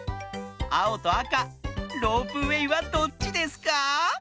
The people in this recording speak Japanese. あおとあかロープウエーはどっちですか？